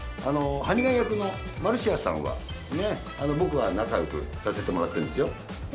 ハニガン役のマルシアさんは僕は仲良くさせてもらってるんですよ。